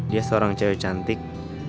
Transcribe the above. dia seorang cewek cantik